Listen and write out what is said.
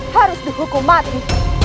harus dihukum mati